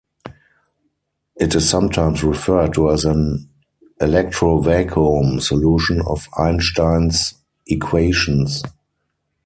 It is sometimes referred to as an "electrovacuum" solution of Einstein's equations.